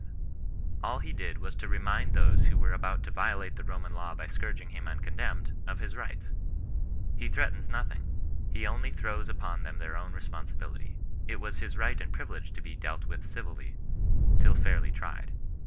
All he did \i^ \.q x^oaxA ^OaRfas^ 70 CHRISTIAN NON RESISTANCE. who were about to violate the Roman law by scourging him tmcondemned, of his rights. He threatens nothing ; he only throws them upon their own responsibility. It was his right and privilege to be dealt with civilly, till fairly tried.